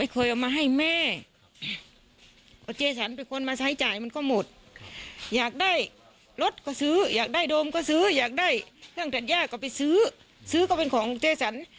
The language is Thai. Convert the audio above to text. เพราะว่าเอาเป็นคนใส้ดันเจสัน